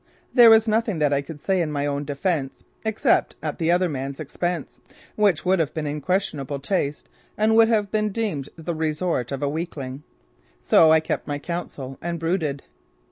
There was nothing that I could say in my own defense except at the other man's expense which would have been in questionable taste and would have been deemed the resort of a weakling. So I kept my counsel and brooded.